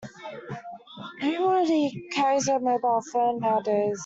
Everybody carries a mobile phone nowadays